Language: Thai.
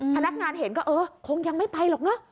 พนักงานเห็นก็เออคงยังไม่ไปหรอกเนอะ